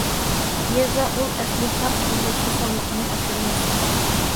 يېزا ئۇل ئەسلىھە قۇرۇلۇشى سالمىقىنى ئاشۇرىمىز.